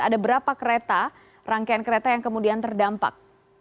ada berapa kereta rangkaian kereta yang kemudian terdampak